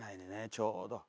ちょうど。